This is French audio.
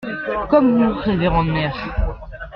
Comme vous, révérende mère.